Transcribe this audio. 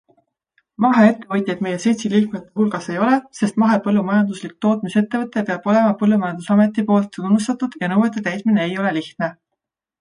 Maheettevõtjaid meie seltsi liikmete hulgas ei ole, sest mahepõllumajanduslik tootmisettevõte peab olema põllumajandusameti poolt tunnustatud ja nõuete täitmine ei ole lihtne.